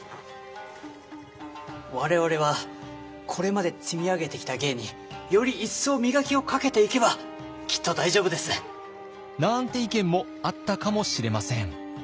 我々はこれまで積み上げてきた芸により一層磨きをかけていけばきっと大丈夫です。なんて意見もあったかもしれません。